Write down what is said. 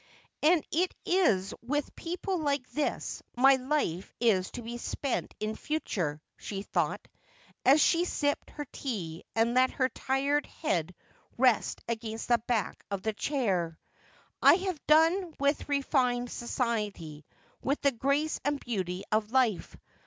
'And it is with people like this my life is to be spent in future,' she thought, as she sipped her tea, and let her tired head rest against the back of the chair. 'I have done with refined society, with the grace and beauty of life.